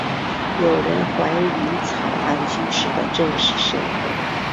有人怀疑草庵居士的真实身份。